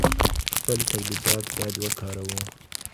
خپل تولیدات باید وکاروو.